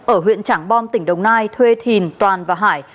ở huyện trảng bom tỉnh đồng nai thuê thìn toàn và hải